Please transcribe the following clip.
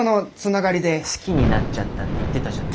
好きになっちゃったって言ってたじゃない。